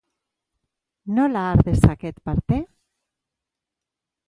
Nola har dezaket parte?